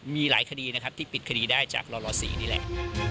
มีหลายคดีนะครับที่ปิดคดีได้จากล๔นี่แหละ